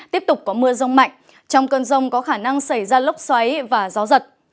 tiếp tục có mưa rông mạnh trong cơn rông có khả năng xảy ra lốc xoáy và gió giật